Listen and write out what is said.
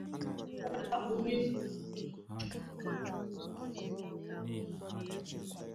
Atọrọla Onye Ụkọchukwu Ọzọ na Nsukka